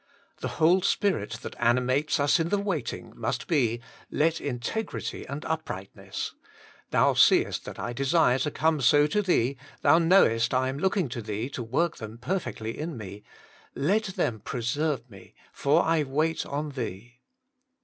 The whole spirit that animates us in the waitiug must be, * Let integrity and uprightness' — Thou seest that I desire to come so to Thee, Thou knowest I am lookiug to Thee to work them perfectly in me ;— let them * preserve me, for I wait on Thee.'